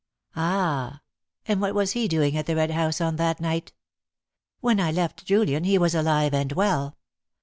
"Ah! And what was he doing at the Red House on that night? When I left Julian, he was alive and well.